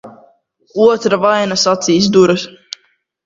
Otra vainas acīs duras.